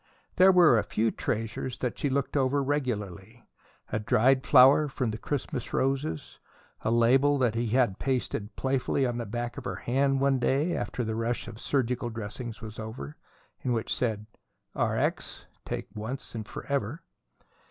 There were a few treasures that she looked over regularly: a dried flower from the Christmas roses; a label that he had pasted playfully on the back of her hand one day after the rush of surgical dressings was over and which said "Rx, Take once and forever."